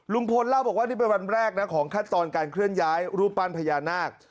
เล่าบอกว่านี่เป็นวันแรกนะของขั้นตอนการเคลื่อนย้ายรูปปั้นพญานาค